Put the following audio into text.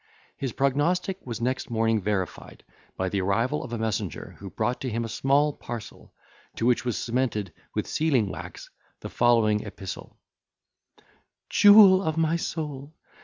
His prognostic was next morning verified by the arrival of a messenger, who brought to him a small parcel, to which was cemented, with sealing wax, the following epistle:— "JEWEL OF MY SOUL!